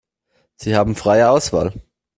Sie haben freie Auswahl.